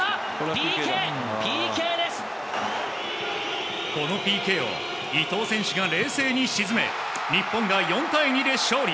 ＰＫ、ＰＫでこのＰＫを伊東選手が冷静に沈め、日本が４対２で勝利。